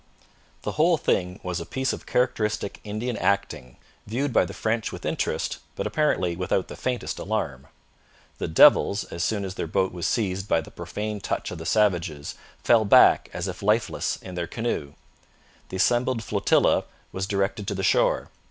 The whole thing was a piece of characteristic Indian acting, viewed by the French with interest, but apparently without the faintest alarm. The 'devils,' as soon as their boat was seized by the profane touch of the savages, fell back as if lifeless in their canoe. The assembled flotilla was directed to the shore.